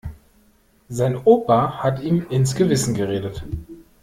Sein Opa hat ihm ins Gewissen geredet.